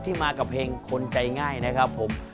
มากับเพลงคนใจง่ายนะครับผม